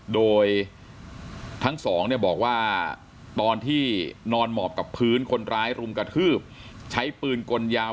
โดยทั้งสองเนี่ยบอกว่าตอนที่นอนหมอบกับพื้นคนร้ายรุมกระทืบใช้ปืนกลยาว